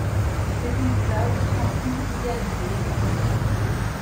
Ses paysages semblent toujours idéalisés et rêveurs.